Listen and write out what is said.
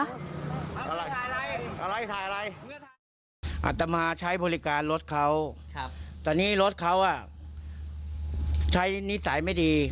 อะไรถ่ายอะไรอาตมาใช้บริการรถเขาครับตอนนี้รถเขาอ่ะใช้นิสัยไม่ดี